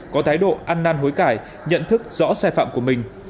có thái độ ăn năn hối cải nhận thức rõ sai phạm của mình